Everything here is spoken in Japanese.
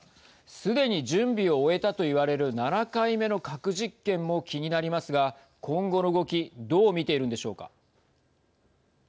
すでに準備を終えたと言われる７回目の核実験も気になりますが今後の動きどう見ているんでしょうか。